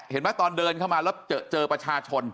เห็นไหมตอนเดินเข้ามาแล้วเจอประชาชน